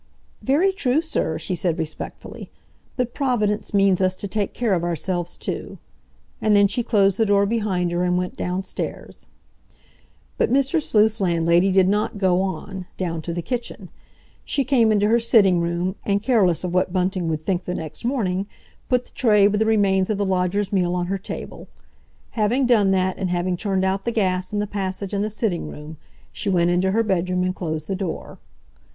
"Very true, sir," she said respectfully. "But Providence means us to take care o' ourselves too." And then she closed the door behind her and went downstairs. But Mr. Sleuth's landlady did not go on, down to the kitchen. She came into her sitting room, and, careless of what Bunting would think the next morning, put the tray with the remains of the lodger's meal on her table. Having done that, and having turned out the gas in the passage and the sitting room, she went into her bedroom and closed the door.